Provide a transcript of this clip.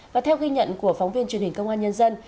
và theo ghi nhận của phóng viên truyền hình công an nhân dân